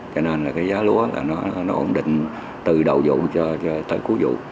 cho nên là cái giá lúa là nó ổn định từ đầu vụ cho tới cuối vụ